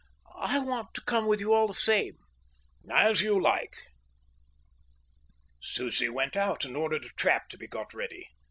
"I want to come with you all the same." "As you like." Susie went out and ordered a trap to be got ready.